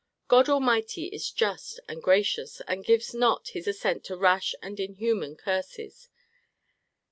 God Almighty is just and gracious, and gives not his assent to rash and inhuman curses.